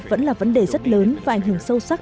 vẫn là vấn đề rất lớn và ảnh hưởng sâu sắc